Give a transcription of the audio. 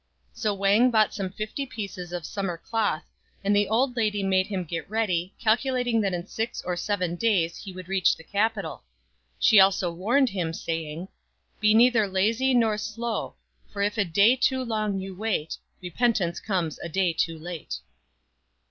So Wang bought some fifty pieces of summer cloth; and the old lady made him get ready, calculating that in six or seven days he would reach the capital. She also warned him, saying, " Be neither lazy nor slow For if a day too long you wait, Repentance comes a day too late."